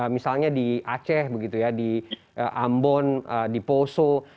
misalnya di aceh di ambon di poso